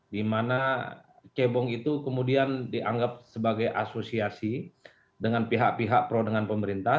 dimana cebong itu kemudian dianggap sebagai asosiasi dengan pihak pihak pro dengan pemerintah